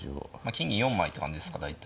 金銀４枚って感じですか大体。